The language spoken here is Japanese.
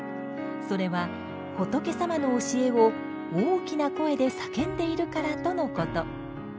それは仏様の教えを大きな声で叫んでいるからとのこと。